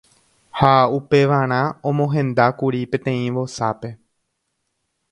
ha upevarã omohendákuri peteĩ vosápe